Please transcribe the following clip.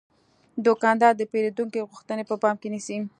دوکاندار د پیرودونکو غوښتنې په پام کې نیسي.